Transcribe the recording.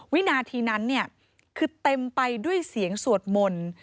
วินาทีนั้นคือเต็มไปด้วยเสียงสวดมนต์